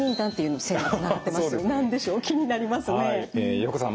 横手さん